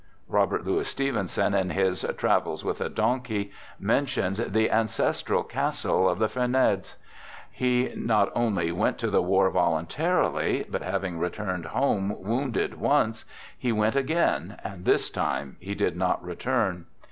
Robert Louis Stevenson, in his "Travels With a Donkey," mentions the ancestral castle of the 45 46 "THE GOOD SOLDIER Vernedes. He not only went to the war voluntarily, but having returned home wounded once, he went again, and this time he did not return.